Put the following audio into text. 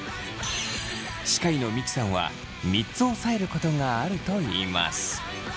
歯科医の三木さんは３つおさえることがあるといいます。